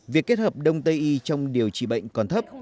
việc kết hợp đông tây y trong điều trị bệnh còn thấp